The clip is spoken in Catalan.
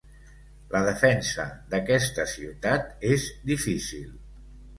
La defensa d'aquesta ciutat és difícil.